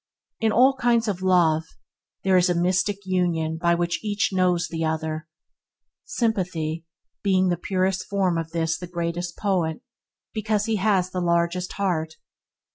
In all kinds of love there is a mystic union by which each knows the other. Sympathy, being the purest form of this the greatest poet because he has the largest heart.